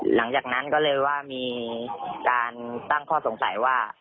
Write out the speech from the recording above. หลังจากนั้นก็เลยว่ามีการตั้งข้อสงสัยว่า